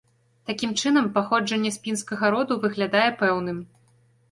Такім чынам, паходжанне з пінскага роду выглядае пэўным.